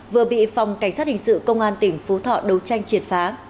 vừa bị phòng cảnh sát hình sự công an tỉnh phú thọ đấu tranh triệt phá